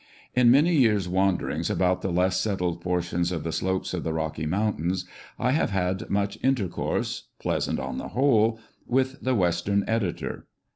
In many years' wanderings about the less settled portions ol the slopes of the Rocky Mountains I have had much intercourse — pleasant, on the whole — with the western editor.